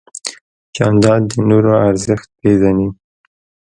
جانداد د نورو ارزښت پېژني.